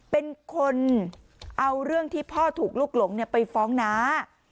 เป็นคนเอาเรื่องที่พ่อถูกลูกหลงไปฟ้องน้า